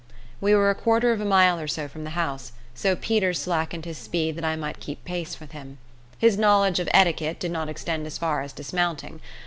We were a quarter of a mile or so from the house, so Peter slackened his speed that I might keep pace with him. His knowledge of 'etiquette did not extend as far as dismounting.